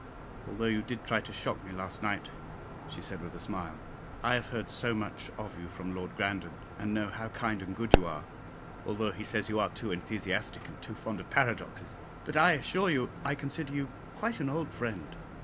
Although you did try to shock me last night," she said, with a smile, "I have heard so much of you from Lord Grandon, and know how kind and good you are, although he says you are too enthusiastic and too fond of paradoxes, but I assure you I consider you quite an old friend.